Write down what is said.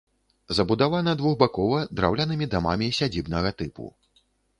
Забудавана двухбакова, драўлянымі дамамі сядзібнага тыпу.